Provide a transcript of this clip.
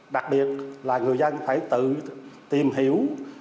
đặc biệt là người dân phải tự tìm hiểu